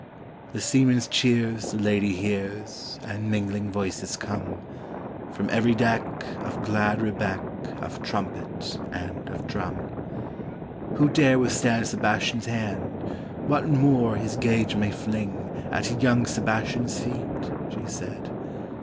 The seamen's cheers the Lady hears, and mingling voices come, From every deck, of glad rebeck, of trumpet, and of drum; 6i6 THE DEPARTURE OF KING SEBASTIAN "Who dare withstand Sebastian's hand? what Moor his gage may fling At young Sebastian's feet?" she said.